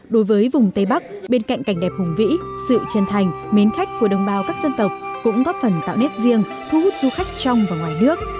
đối với vùng tây bắc bên cạnh cảnh đẹp hùng vĩ sự chân thành mến khách của đồng bào các dân tộc cũng góp phần tạo nét riêng thu hút du khách trong và ngoài nước